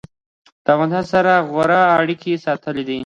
له افغانستان سره غوره اړیکې ساتلي